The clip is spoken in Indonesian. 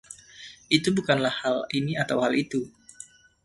Itu bukanlah hal ini atau hal itu.